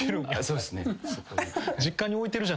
そうですね。